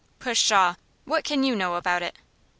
"Pshaw! what can you know about it?"